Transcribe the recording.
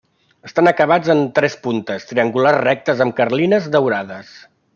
Estan acabats en tres puntes triangulars rectes amb carlines daurades.